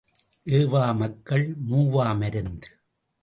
ஏவா மக்கள் மூவா மருந்து.